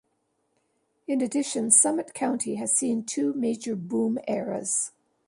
In addition, Summit County has seen two major boom eras.